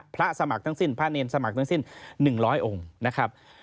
พระสมัครทั้งสิ้นพระเนรสมัครทั้งสิ้น๑๐๐องค์